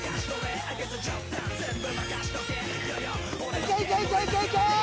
いけいけいけいけいけー！